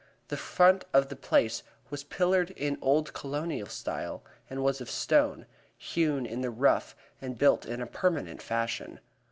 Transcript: The front of the place was pillared in old Colonial style, and was of stone, hewn in the rough and built in a permanent fashion.